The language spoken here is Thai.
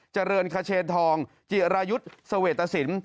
เจริญเคชนทองเจียระยุฑป์สเวทศิลป์